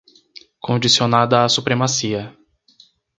Condicionada à supremacia